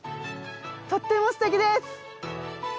とってもすてきです。